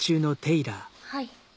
はい。